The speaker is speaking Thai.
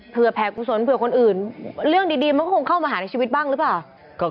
เผื่อแผ่กุศลเผื่อคนอื่นเรื่องดีมันก็คงเข้ามาหาในชีวิตบ้างหรือเปล่า